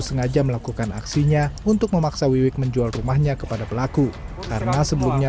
sengaja melakukan aksinya untuk memaksa wiwik menjual rumahnya kepada pelaku karena sebelumnya